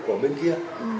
của bên kia